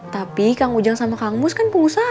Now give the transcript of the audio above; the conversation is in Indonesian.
tapi kang ujang sama kang mus kan pengusaha